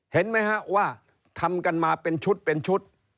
เห็นไหมฮะว่าทำกันมาเป็นชุดเป็นชุด